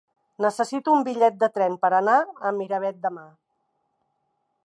Necessito un bitllet de tren per anar a Miravet demà.